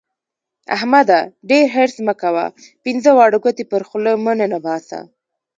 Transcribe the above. احمده! ډېر حرص مه کوه؛ پينځه واړه ګوتې پر خوله مه ننباسه.